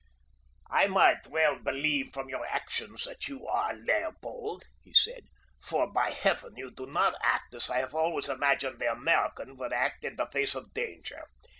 "I might well believe from your actions that you are Leopold," he said; "for, by Heaven, you do not act as I have always imagined the American would act in the face of danger.